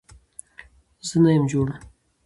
زه نه يم جوړ